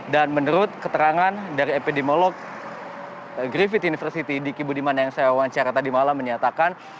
dan menurut keterangan dari epidemiolog griffith university di kibu dimana yang saya wawancara tadi malam menyatakan